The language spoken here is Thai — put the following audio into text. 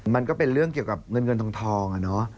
มันก็เป็นเรื่องเกี่ยวกับเงินเงินทองอะเนาะ